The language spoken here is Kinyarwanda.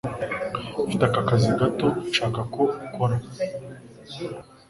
Mfite aka kazi gato nshaka ko ukora